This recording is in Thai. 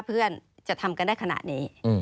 เพื่อนจะทำกันได้ขนาดนี้